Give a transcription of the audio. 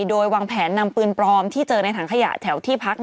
โดยวางแผนนำปืนปลอมที่เจอในถังขยะแถวที่พัก